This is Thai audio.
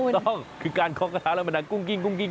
ถูกต้องคือการเคาะกระทะแล้วมันดังกุ้งกิ้ง